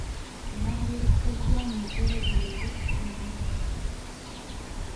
Baleeteddwa mu bwerinde obwamaanyi.